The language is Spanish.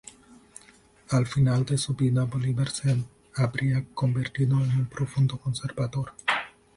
Al final de su vida, Bolívar se habría convertido en un profundo conservador.